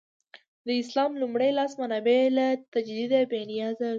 د اسلام لومړي لاس منابع له تجدیده بې نیازه ګڼي.